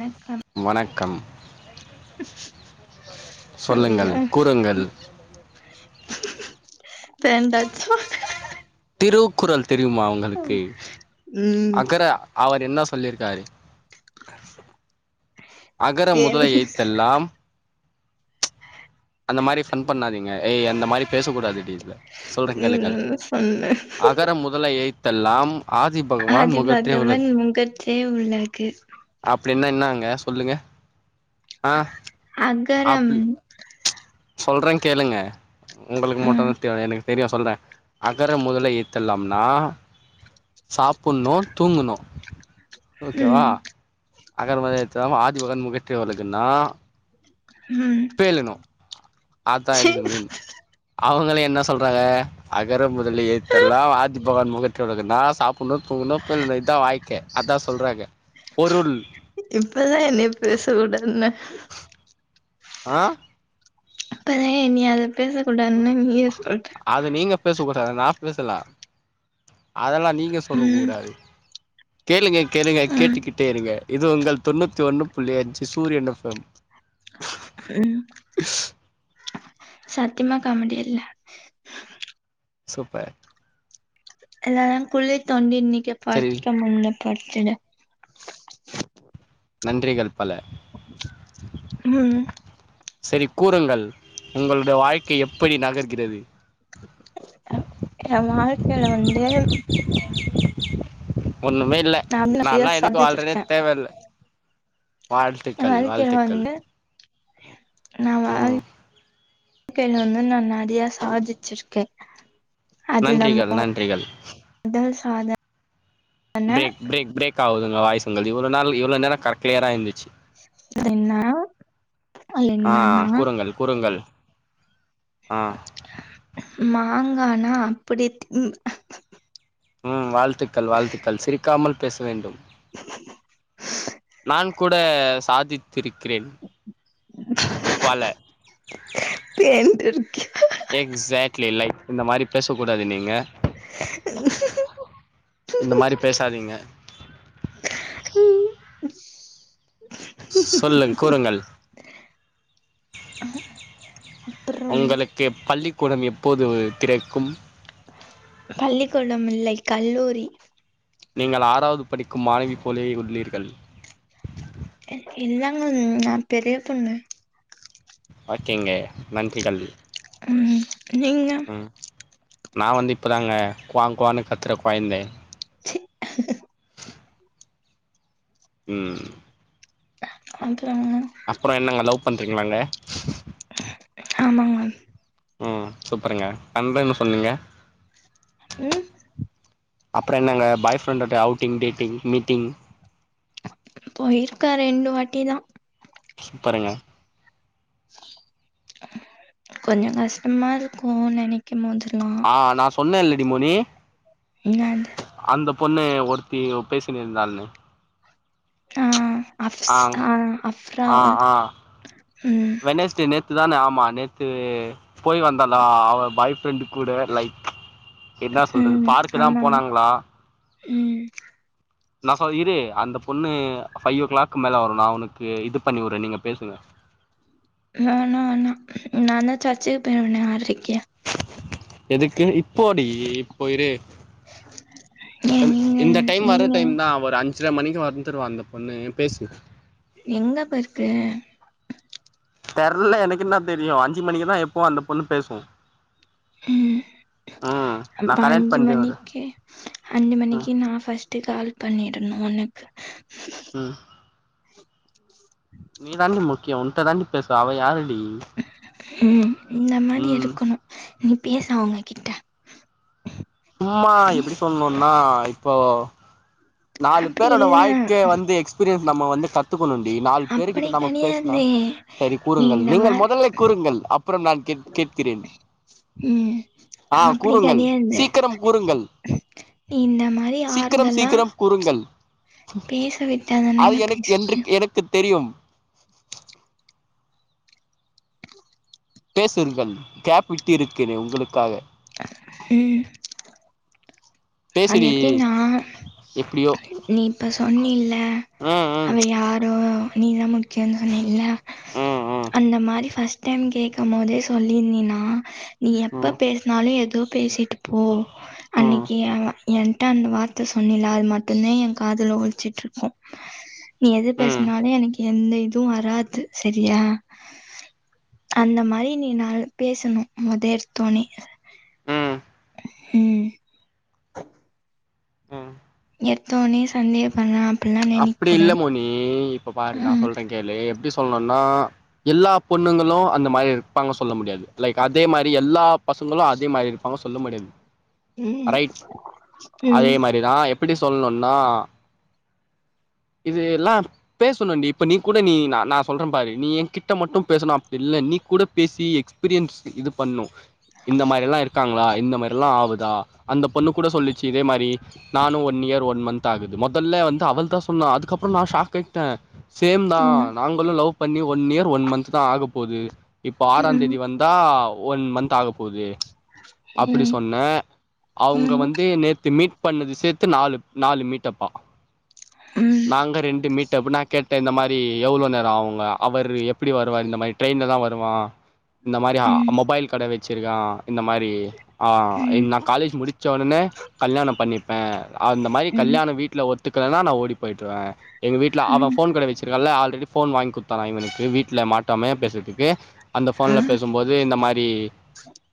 ணக்கம் வணக்கம் சொல்லுங்கள் சொல்லுங்க கூறுங்கள் பேன்டாச் போ திருக்குறள் தெரியுமா உங் ஒ அகற அவர் என்ன சொல்லிருக்காரு அகர முதல பேரு எழுத்தெல்லாம் அந்த மாதிரி பன் பண்ணாதீங்க ஏ அந்த மாதிரி பேச கூடாது டீ அப்டின்பே சொல்றேன் கேளுங்கள் ம் சொன்ன அகர முதல எழுத்தெல்லாம் ஆதிப் ஆதிபகவன் முதற்றே உலகு அப்டின்னா என்னங்க சொல்லுங்க ஆ அகரம் அப் சொல்றே கேளுங்க உங்களுக்கு ம் மட்டுந்தா தேவ எனக்கு தெரியு சொல்றே அகர முதல எழுதெல்லாம்னா சாப்புட்ணு தூங்கணு ஓகேவா ம் அகரமுதல எழுதெல்லா ஆதி பகவன் முதற்றே உலகுன்னா ம் செய்யணு ஆத்தா சி இதுக்கு மீன் அவங்கள என்ன சொல்றாங்க அகர முதல எழுத்தெல்லாம் ஆதி பகவான் முதற்றே உலகுனா சாப் புன்னு தோணுது இதான் வாய்க்கே அதான் சொல்றாங்க பொருள் இப்பட்ல என்ன பேச உடனே ஆ இப்பதான் என் நீ அதை பேச கூடாதுன்னு நீயே சொல்ற அது நீங்க பேச கூடாது நா பேசலா அதெல்லா நீங்க சொல்ல ம் கூடாது கேளுங்க கேளுங்க ம் கேட்டுக்கிட்டே இருங்க இது உங்கள் தொண்ணூத்தி ஒண்ணு புள்ளி அஞ்சு சூரியன் எப் எம் ம் சத்தியமா காமடியா இல்ல சூப்பர் எல்லாரம் குழிய தொண்டி இன்னைக்க சரி பஸ்ட முன்ன படுத்துட நன்றிகள் பல ம் ம் சரி கூறுங்கள் உங்களுடைய வாழ்க்கை எப்படி நகர்கிறது அ எ வாழ்க்கையில வந்து ஒன்னுமே இல்லை நா வந்து நெறைய நால்லா எதுக்கு வாழ்றனே சாதிச்சிருக்கே தேவையில்ல எ வாழ்க்கைல வந்து நான் வாழ் ம் வாழ்க்கில வந்து நா நறையா சாதிச்சிருக்கே அது நன்றிகள் நம்மோ நன்றிகள் வந்து சாத பிரரே பிரேக் பிரேக் ஆகுதுங்கா வாய்ஸ் உங்கள் இவ்ளோ நாள் இவ்ளோ நேரோ கரெட் கிளியரா இருந்துச்சு ஆ என்னன்னா கூறுங்கள் கூறுங்கள் ஆ மாங்கானா அப்படி திம்பே ம் வாழ்த்துக்கள் வாழ்த்துக்கள் சிரிக்காமல் பேச வேண்டும் நான் கூட சாதித்திருக்கிறேன் பல தின்னுட்டேருக்கே எக்ஸாக்ட்லி லைக் இந்த மாதிரி பேசக்க கூடாது நீங்க உம் இந்த மாரி பேசாதிங்க உம் சொல்லுங் கூறுங்கள் அப்புறம் உங்களுக் கு பள்ளிக்கூடம் எப்போது திறக்கும் பள்ளிக்கூடம் இல்லை கல்லூரி நீங்கள் ஆறாவது படிக்கும் மாணவி போலையே உள்ளீர்கள் இல்லங்கூ நா பெரிய பொண்ணு ஓகேங்க நன்றிகள் உம் நீங்க நா வந்து இப்பதாங்க குவாங் குவானு கத்துற கொழ்ந்த சி உம் [unintelligible] அப்றொ என்னங்க லவ் பண்றிங்களாங்க ஆமாங்க ம் சூப்பருங்க சண்டன்னு சொன்னிங்க உம் அப்றொ என்னங்க பாய் ஃப்ரெண்டோட்ட அவுட்டிங் டேட்டிங் மீட்டிங் பொயிர்க்க ரெண்டு வாட்டிதா சூப்பருங்க கொஞ்சொங்கஷ்டமா இருக்கு நெனைக்கும் மோதுலா ஆஹ் நா சொன்ன இல்லடி மோனீ என்னாண்டு அந்த பொண்ணு ஒருத்தி பேசினிருந்தான்னு ஆஹ் அப்ஸ் ஆ அ ஆ அப்ஸ்ராவோ எதோ ஆ வெனஸ்டே நேத் து தானே ஆமா நேத்து போய் வந்தாளா அவ பாய் ஃப்ரெண்டு கூட லைக் என்னா சொல்றது ம் பார்க்குதா ஆமாமா போனாங்ளா ம் நாஹொ இரு அந்த பொண்ணு ஃபைவ் ஓ கிளாக்கு மேல வரு நா ஒனக்கு இது பண்ணிவுட்றே நீங்க பேசுங்க வேணா வேணா நாந்தா சர்ச்சுக் பொய்ருவனே ஆர்றைக்கு எதுக்கு இப்போடி இப்பொ இரு ஏன் நீங்க இந்த டைம் வர நீங்க டைம் தா ஒரு அஞ்ர மணிக்கு வந்துருவா அந்த பொண்ணு பேசு எங்கப்பர்க்கூ தெர்ல எனக்கென்னா தெரியு அஞ்சு மணிக்குதா எப்பவு அந்தப் பொண்ணு பேசூ உம் ம் அப்ப நான் கனெக்ட் அஞ்சு பண்றேன் இரு மணிக்கு அஞ்சு ம் மணிக்கு நா ஃபர்ஸ்ட்டு கால் பண்ணிடணு ஒனக்கு ம் உ நீதாண்டி முக்யொ உன்ட தாண்டி பேசுவ அவ யாருடி ம் இந்த மாரி ம் இருக்கணு நீ பேசு அவங்க கிட்ட சும்மா எப்டி சொல்ணுன்னா இப்போ நாலு அப்படி பேரோட இல்ல வாழ்க்ய வந்து எக்ஸ்பீரியன்ஸ் நம்ம வந்து கத்துக்கணுண்டி நாலு அப்படி பேருக்கிட்ட நம்ம பேசுனா கெடையாது சரி நீ கூறுங்கள் இந்த நீங்கள் மாரி மொதல்லை கூறுங்கள் அப்பொறம் நான் கேட் கேட்கிறேன் ம் ஆஹ் அப்படி கூறுங்கள் கெடையாது சீக்கரம் கூறுங்கள் இந்த மாரி ஆறுதலா ங்கள் பேச அது விட்டாதானங்க எனக்கு பேச என்று முடியும் எனக்கு தெரியும் பேசுங்கள் கேப் விட்டு இருக்கேனே உங்களுக்காக ம் அது பேசுடி எப்டின்னா எப்டியோ நீ இப்ப சொன்னீல ம் ம் அவ யாரோ நீதா [unintelligible] ல்ல ம் அந்த மாரி ஃபர்ஸ்ட் டைம் கேக்க போதே சொல்லிருந்தீனா நீ ம் எப்ப ம் பேசுனாலு எதோ பேசிட்டு போ ம் அன்னைக்கு அவ என்ட்ட அந்த வார்த்த சொன்னில அது மட்டு்தா எ காதுல ஒழிச்ட்டு இருக்கு நீ எது ம் பேசுனாலு எனக்கு எந்த இது வராது சரியா அந்த மாரி நீ நா பேசணு மொத எட்தோனே ம் ம் ம் எட்தோனே சந்தேகபண்ணா அப்டி இல்ல மோனி இப்ப பாரு நா ம் சொல்றே கேளு எப்டி சொல்னுன்னா எல்லா பொண்ணுங்களு அந்த மாரி இருப்பாங்கன் சொல்ல முடியாது லைக் அதே மாதிரி எல்லா பசங்களு அதே மாரி இருப்பாங்கன் சொல்ல முடியாது ம் ரைட் ம் அதே மாரி தா எப் இப்டி சொல்னுன்னா இது எல்லா அப்பயே சொன்னண்டி இப்ப நீ கூட நீ நா நா சொல்ற பாரு நீ எ கிட்ட மட்டு பேசணு அப்டி இல்ல நீ கூட பேசி எக்ஸ் பீரியன்ஸ் இது பண்ணு இந்த மாரில்லா இருக்காங்ளா இந்த மாரில்லா ஆவுதா அந்த பொண்ணு கூட சொல்லுச்சு இதே மாரி நானு ஒன் இயர் ஒன் மன்த் ஆகுது மொதல்ல வந்து அவள் தா சொன்னா அதுக்கப்றோ நா ஷாக் ஆய்ட்ட சேம் தா ம் நாங்களு லவ் பண்ணி ஒன் இயர் ஒன் மன்ந்த் தா ஆக போது இப்ப ஆறா ம் தேதி வந்தா ஒன் மன்ந்த் ஆக போது அப்டி ம் சொன்ன அவுங்க ம் வந்து நேத்து மீட் பண்ணது சேத்து நாலு நாலு மீட்டப்பா நாங்க ரெண்டு மீட அப் நா கேட்ட இந்த மாரி எவ்ளோ நேரோ ஆவுங்க அவர் எப்டி வருவாரு இந்த மாரி ட்ரெயின்ல தா வருவா இந்த மாரி அ மொபைல் கட வச்சிருக்கா இந்த மாரி அ நா காலேஜ் முடிச்ச உடனே கல்யாணோ பண்ணிப்ப அந்த மாரி கல்யாண வீட்ல ஒத்துக் கலனா நா ஓடி போய்ட்ருவ எங்க வீட்ல அவ ஃபோன் கட வச்சிருக்கால்ல ஆல்ரெடி ஃபோன் வாங்கி குட்த்தானா இவனுக்கு வீட்ல மாட்டாமயே பேஸ்ரதுக்கு அந்த ஃபோன்ல பேசு போது இந்த மாரி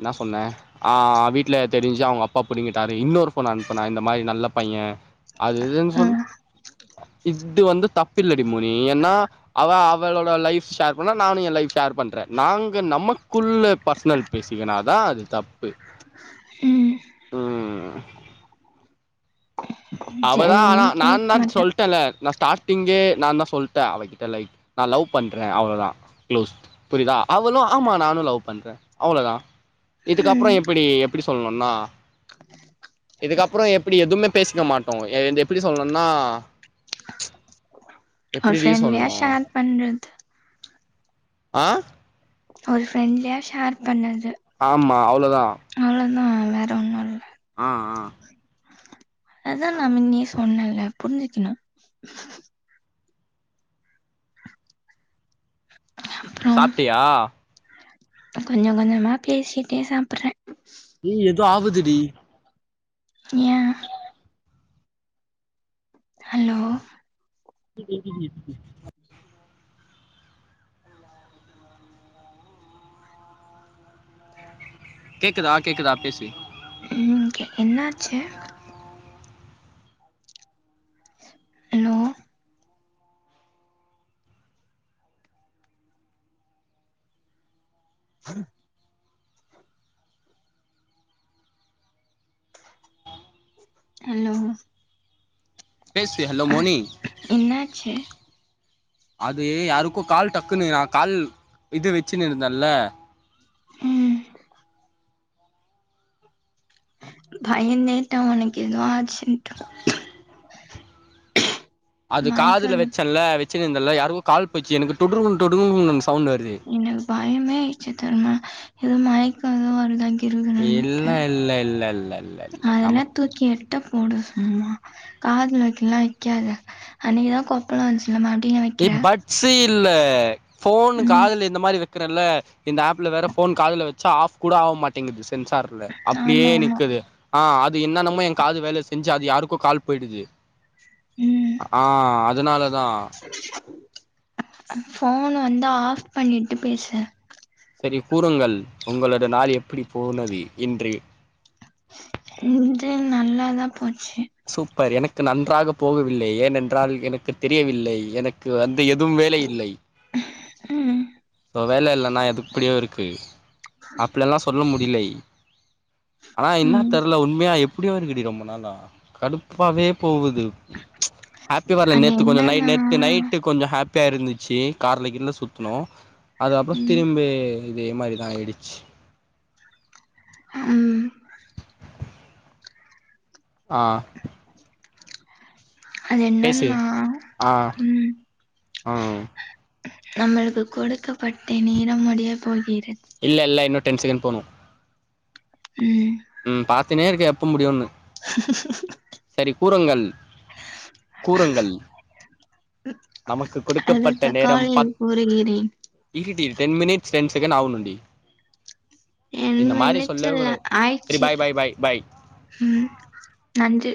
என்ன சொன்ன ஆ வீட்ல தெரிஞ்சு அவுங்க அப்பா புடிங்கிட்டாரு இன்னொரு ஃபோன் அனுப்புனா இந்த மாரி நல்ல பைய அது இது சொல் இத்து வந்து தப்பில்ல டி மோனி ஏன்னா அவ அவளோட லைப் ஷேர் பண்ணா நானு என் லைப் ஷேர் பண்றே நாங்க நமக்குள்ள பர்ஸ்னல் பேசிக்கனாதா அது தப்பு ம் ம் சேரி இனிமே கேக் மாட்ட சொல்ட்டல நா ஸ்டார்டிங்கே நா தா சொல்ட்ட அவகிட்ட லைக் நா லவ் பண்ற அவ்ளோதா க்ளோஸ்ட் புரியுதா அவளு ஆமா நானு லவ் பண்ற அவ்ளோதா இதுக்கப்றோ ம், எப்டி எப்டி சொல்ணுனா இதுக்கப்றோ எப்டி எதுவுமே பேசிக்க மாட்டோ இந்த எப் எப்டி சொல்னுன்னா ஒரு எப்டி டி ஃப்ரெண்ட்லியா சொல்ணு ஷேர் பண்றது ஆ ஒரு ஃப்ரெண்ட்லியா ஷேர் பண்ணது ஆமா அவ்ளோதா அவ்ளோதா வேற ஒன்னு இல்ல ஆ ஆ அதா நா மின்னேயே சொன்னேலே புரிஞ்சுக்ணு சாப்டியா கொஞ்சோ கொஞ்சோமா பேசிட்டே சாப்ட்றே ஏய் ஏதோ ஆவுதுடி ஏ ஹலோ [inaudible] கேக்குதா கேக்குதா பேசி ம் என்னாச்சு ஹலோ [inaudible] ஹலோ பேசு ஹலோ மோனி என்னாச்சு அது யாருக்கோ கால் டக்குன்னு அ கால் இது வச்சுன்னு இருந்தேன்ல ம் பயந்தேட்டா உனக்கு எதோ ஆச்சுன்ட்டு அது காதுல மயக்காது வச்சன்ல வச்சு இருந்தல யாருக்கு கால் போயிச்சு எனக்கு வெளிய வந்திட் டோடுங் டோடுங்கனு சவுண்டு வருது எனக்கு பயமே இச்சு தருமா எதுவும் மயக்கம் எது வருதா இல்ல [unintelligible] இல்ல இல்ல இல்ல இல்ல இல்ல அதெல்லா நமக்கு தூக்கி எரி கிட்ட போடு சும்மா காதுல வைக்கல வைக்காத அன்னைக்குதா கொப்பலோ வந்துச்சு இல்ம அப்பின்னு வைக்கிரே சி இல்ல போனு ம் காதுல இந்த மாரி வைக்கறல்ல இந்த ஆப்ல வேற போன் காதுல வ ஆப் கூட ஆக மாட்டேங்குது சென்சார்ல அப்டியே ஆமா ஆமா நிக்குது ஆ அது என்னன்னமோ எ காது வேலை செஞ்சு அது யாருக்கோ கால் போயி்டுது ஆ அதனாலதா போன் வந்தா ஆஃப் பண்ணிட்டு பேசு சரி கூறுங்கள் உங்களோட நாள் எப்படி போனது இன்று இன்று நல்லாதா போச்சு சூப்பர் எனக்கு நன்றாக போகவில்லை ஏனென்றால் எனக்கு தெரியவில்லை எனக் வந்து எதும் வேலை இல்லை ம் வேலை இல்லன்னா எதுப்படியோ இருக்கு அப்ல்லாம் சொல்ல முடிலை ஆனா என்ன ம் தெரல உண்மையா எப்டியோ இருக்குடி ரொம்ப நாளா கடுப்பாவே போகுது ஹாப்பி வரல அது நேத்து கொஞ்சோ நை என்னன்னா நேத்து நைட்டு கொஞ்சோ ஹாப்பியா இருந்துச்சு கார்ல கீள்ள சுத்நோ அது அப்ரோ ம் திரும்பி இதே மாரி தா ஆய்டிச்சு ம் ஆ அது பேசு என்னன்னா ஆ உம் ம் நம்முளுக்கு கொடுக்கப்பட்ட நேரம் முடிய போகிற இல்ல இல்ல இன்னு டென் செகண்ட் போணு உம் ம் பாத்துனே இருக்கே எப்ப முடியுன்னு செரி கூறங்கள் கூறங்கள் நமக்கு அடுத்த கொடுக்கப்பட்ட காலில் பத் கூறுகிறேன் இருடி டென் மினிட்ஸ் டென் செகன்ட்ஸ் ஆவுனுடி டென் மினிட்ஸ் சொல்லவே இல்ல கூடாது சரி ஆயிட்சு பாய் பாய் பாய் பாய் உம் நன்றி